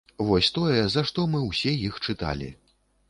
Вось тое, за што мы ўсе іх чыталі.